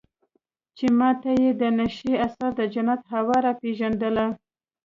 چې ما ته يې د نشې اثر د جنت هوا راپېژندله.